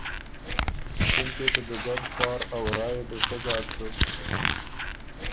چُونکې ته دُوګډ خوار ا ورا يې بو سۀ ځاک سُک